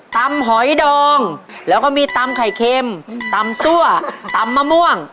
หอยดองแล้วก็มีตำไข่เค็มตำซั่วตำมะม่วง